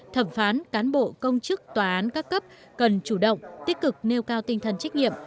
thẩm phán cán bộ công chức tòa án các cấp cần chủ động tích cực nêu cao tinh thần trách nhiệm